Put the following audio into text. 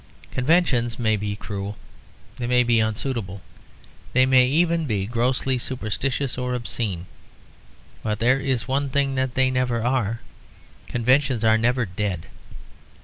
Conventions may be cruel, they may be unsuitable, they may even be grossly superstitious or obscene; but there is one thing that they never are. Conventions are never dead.